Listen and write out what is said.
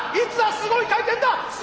すごい回転だ！